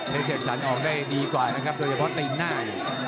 เสกสรรออกได้ดีกว่านะครับโดยเฉพาะตีนหน้า